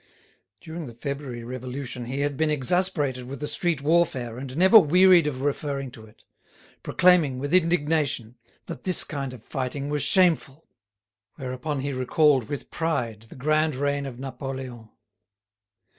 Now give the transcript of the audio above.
During the February Revolution he had been exasperated with the street warfare and never wearied of referring to it, proclaiming with indignation that this kind of fighting was shameful: whereupon he recalled with pride the grand reign of Napoleon.